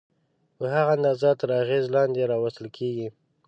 په هغه اندازه تر اغېزې لاندې راوستل کېږي.